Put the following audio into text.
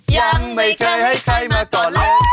ยังไม่เคยให้ใช้มาก่อนเลย